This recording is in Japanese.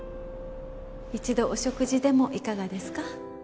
一度お食事でもいかがですか？